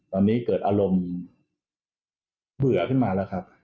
ตอนนี้เกิดอารมณ์เบื่อขึ้นมาแล้วครับ